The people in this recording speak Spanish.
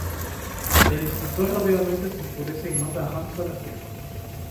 El instructor rápidamente se enfurece y manda a Hans a la esquina.